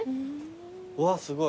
うわすごい。